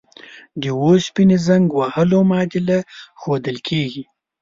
د اوسپنې زنګ وهلو معادله ښودل کیږي.